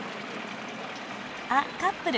あっカップル。